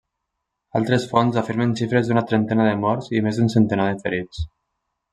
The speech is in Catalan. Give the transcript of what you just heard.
Altres fonts afirmen xifres d'una trentena de morts i més d'un centenar de ferits.